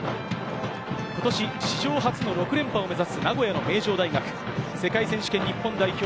今年、史上初の６連覇を目指す名古屋の名城大学、世界選手権日本代表